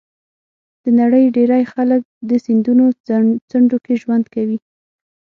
د نړۍ ډېری خلک د سیندونو څنډو کې ژوند کوي.